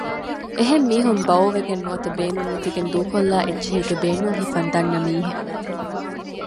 އެހެން މީހުން ބައުވެގެން ނުވަތަ ބޭނުން ނެތިގެން ދޫކޮށްލާ އެއްޗެހީގެ ބޭނުން ހިފަން ދަންނަ މީހެއް